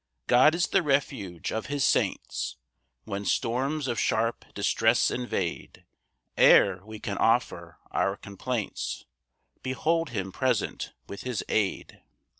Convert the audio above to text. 1 God is the refuge of his saints, When storms of sharp distress invade; Ere we can offer our complaints Behold him present with his aid.